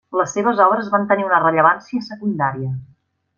Les seves obres van tenir una rellevància secundària.